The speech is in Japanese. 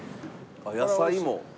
野菜も。